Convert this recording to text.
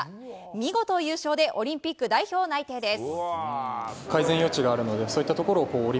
見事優勝でオリンピック代表内定です。